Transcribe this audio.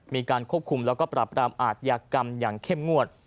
มีการควบคุมแล้วก็ปรับรามอาทยากรรมอย่างเข้มงวด